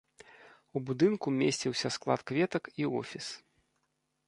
У будынку месціўся склад кветак і офіс.